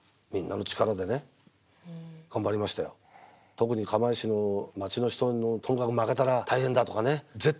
特に釜石の町の人のとにかく負けたら大変だとかね。